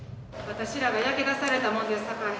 私らが焼け出されたもんですさかい。